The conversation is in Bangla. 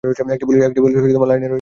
একটি পুলিশ লাইন রয়েছে এখানে।